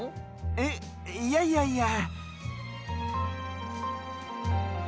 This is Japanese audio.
えっいやいやいや。